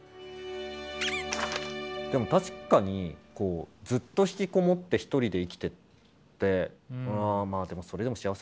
でも確かにこうずっと引きこもって一人で生きててまあでもそれでも幸せなのかな？